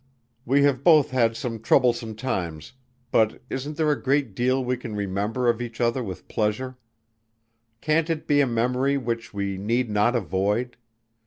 "We have both had some troublesome times, but isn't there a great deal we can remember of each other with pleasure? Can't it be a memory which we need not avoid?